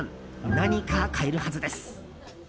何か買えるはずです。